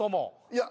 いや。